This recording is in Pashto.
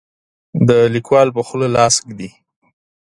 د لیکوال په خوله لاس ږدي.